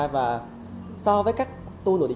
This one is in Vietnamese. và so với các tour nội địa trong thái lan